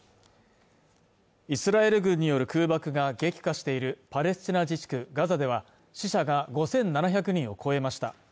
イスラエル軍による空爆が激化しているパレスチナ自治区ガザでは死者が５７００人を超えました